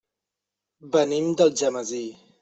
Venim d'Algemesí.